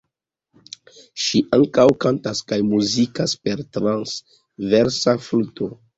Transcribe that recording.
Ŝi ankaŭ kantas kaj muzikas per transversa fluto.